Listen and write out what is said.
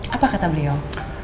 apa kata beliau